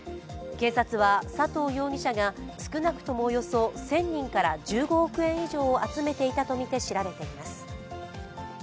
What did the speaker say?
警察は、佐藤容疑者が少なくともおよそ１０００人から１５億円以上を集めていたとみて調べています。